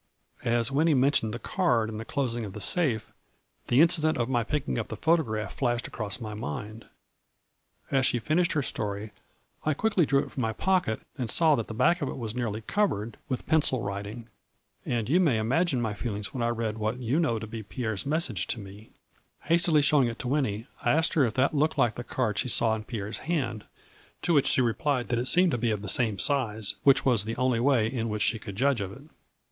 " As Winnie mentioned the card and the closing of the safe, the incident of my picking up the photograph flashed across my mind. As she finished her story I quickly drew it from my pocket and saw that the back of it was nearly covered with pencil writing, and you may imagine my feelings when I read what you know to be Pierre's message to me. Hastily 8 114 A FLURRY IN DIAMONDS. showing it to Winnie, I asked her if that looked like the card she saw in Pierre's hand, to which she replied that it seemed to be of the same size, which was the only way in which she could judge of it.